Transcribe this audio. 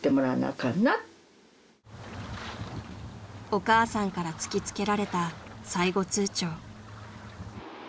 ［お母さんから突き付けられた最後通牒］